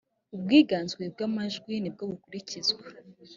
ubwiganze bwa majwi nibwobukurikizwa.